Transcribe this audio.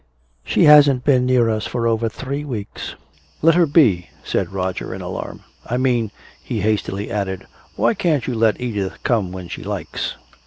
"She hasn't been near us for over three weeks." "Let her be!" said Roger, in alarm. "I mean," he hastily added, "why can't you let Edith come when she likes?